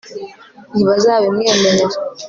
ntibazabimwemerera